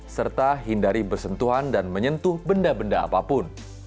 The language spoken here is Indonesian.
serta hindari bersentuhan dan menyentuh benda benda apapun